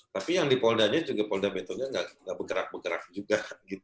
tapi yang di poldanya juga polda metro nya nggak bergerak bergerak juga